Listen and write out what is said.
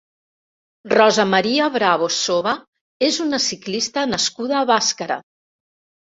Rosa María Bravo Soba és una ciclista nascuda a Bàscara.